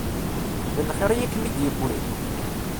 D lxir i ak-m-id-yewwin?